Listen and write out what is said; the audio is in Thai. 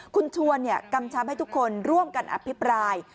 คุณชวนกำชับให้ทุกคนร่วมกันอภิปราย